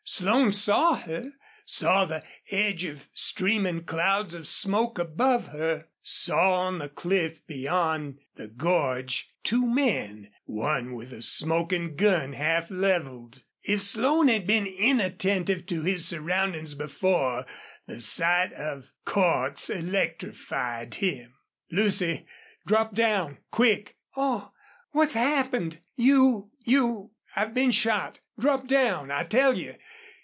Slone saw her, saw the edge of streaming clouds of smoke above her, saw on the cliff beyond the gorge two men, one with a smoking gun half leveled. If Slone had been inattentive to his surroundings before, the sight of Cordts electrified him. "Lucy! drop down! quick!" "Oh, what's happened? You you " "I've been shot. Drop down, I tell you.